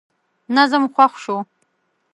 نظم خوښ شو.